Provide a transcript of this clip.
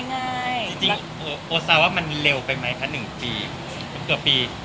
จริงโอซาว่ามันเร็วไปไหมคะ๑ปีถึงเกือบปี